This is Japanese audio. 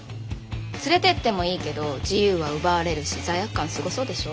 連れてってもいいけど自由は奪われるし罪悪感すごそうでしょ？